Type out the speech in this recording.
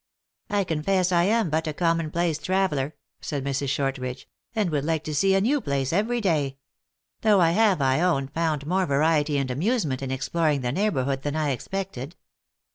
" I confess I am but a common place traveler," said Mrs. Shortridge, " and would like to see a new place every day ; though I have, I own, found more variety and amusement in exploring the neighborhood than I expected."